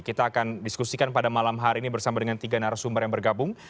kita akan diskusikan pada malam hari ini bersama dengan tiga narasumber yang bergabung